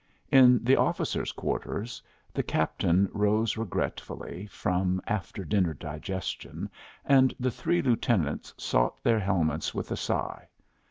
In the officers' quarters the captain rose regretfully from after dinner digestion, and the three lieutenants sought their helmets with a sigh.